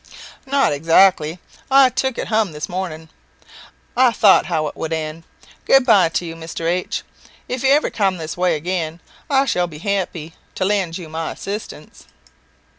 "Not exactly; I took it hum this morning I thought how it would end. Good bye to you, Mr. H . If ever you come this way again, I shall be happy to lend you my assistance."